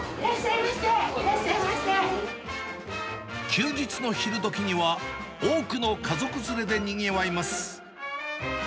休日の昼どきには、多くの家族連れでにぎわいます。